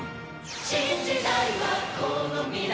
「新時代はこの未来だ」